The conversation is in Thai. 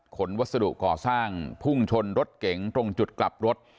วัสดุก่อสร้างพุ่งชนรถเก๋งตรงจุดกลับรถ